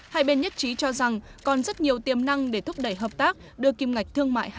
hai bên nhất trí cho rằng còn rất nhiều tiềm năng để thúc đẩy hợp tác đưa kim ngạch thương mại hai